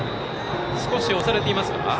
少し押されていますか。